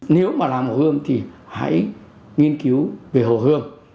nếu mà làm hồ hương thì hãy nghiên cứu về hồ hương